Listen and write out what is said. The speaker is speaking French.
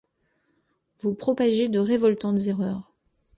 Vous propagez de révoltantes erreurs.